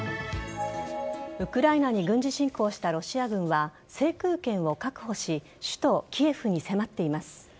ウクライナに軍事侵攻したロシア軍は、制空権を確保し首都・キエフに迫っています。